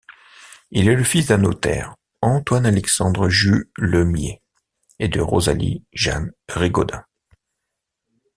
Il est le fils d'un notaire, Antoine Alexandre Jullemier, et de Rosalie Jeanne Rigaudin.